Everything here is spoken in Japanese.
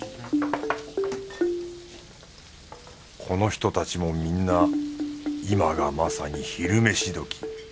この人たちもみんな今がまさに昼飯どき。